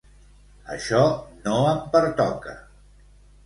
Això no em pertoca.